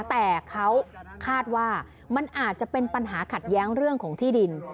แต่เขาคาดว่ามันอาจจะเป็นปัญหาขัดแย้งเรื่องของที่ดิน